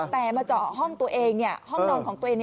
แต่มาเจาะห้องตัวเองห้องนอนของตัวเอง